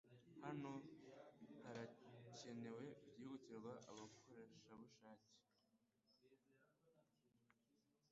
Hano harakenewe byihutirwa abakorerabushake.